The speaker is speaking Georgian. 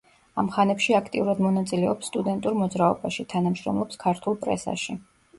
ამ ხანებში აქტიურად მონაწილეობს სტუდენტურ მოძრაობაში, თანამშრომლობს ქართულ პრესაში.